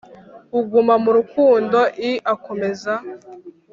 uguma mu rukundo l akomeza